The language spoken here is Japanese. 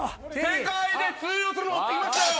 世界で通用するの持ってきましたよ。